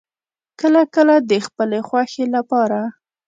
کله کله د خپلې خوښې لپاره